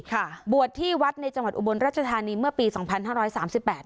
ค่ะบวชที่วัดในจังหวัดอุบลรัชธานีเมื่อปีสองพันห้าร้อยสามสิบแปด